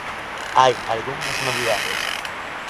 Hai algunhas novidades.